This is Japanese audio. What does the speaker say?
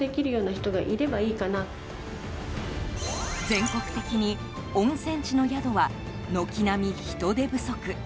全国的に、温泉地の宿は軒並み人手不足。